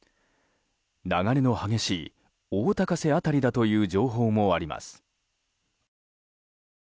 流れの激しい大高瀬辺りだという情報もあります。